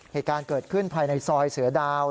เหตุการณ์เกิดขึ้นภายในซอยเสือดาว